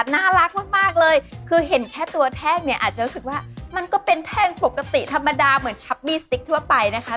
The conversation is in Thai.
น่ารักมากเลยคือเห็นแค่ตัวแท่งเนี่ยอาจจะรู้สึกว่ามันก็เป็นแท่งปกติธรรมดาเหมือนชักมีสติ๊กทั่วไปนะคะ